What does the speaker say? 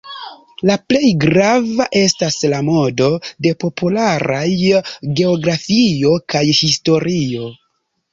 La plej grava estas la modo de popularaj geografio kaj historio.